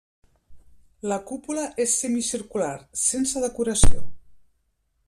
La cúpula és semicircular, sense decoració.